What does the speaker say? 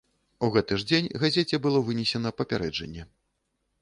У гэты ж дзень газеце было вынесена папярэджанне.